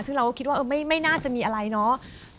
ซึ่งเราก็คิดว่าไม่น่าจะมีอะไรเนาะ